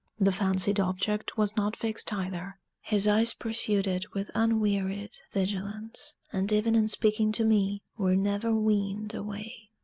The fancied object was not fixed either; his eyes pursued it with unwearied vigilance, and even in speaking to me, were never weaned away.